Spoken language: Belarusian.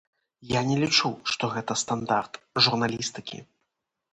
Я не лічу, што гэта стандарт журналістыкі.